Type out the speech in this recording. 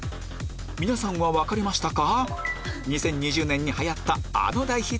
皆さんは分かりましたか？